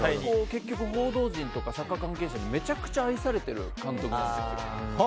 結局、報道陣とかサッカー関係者にめちゃくちゃ愛されてる監督なんですよ。